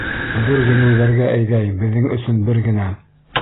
Ҙур еңеүҙәргә әйҙәй Беҙҙең өсөн бер генә!